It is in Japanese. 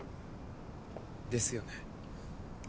ですよね。